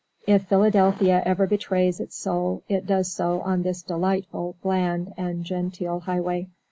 If Philadelphia ever betrays its soul, it does so on this delightful, bland, and genteel highway.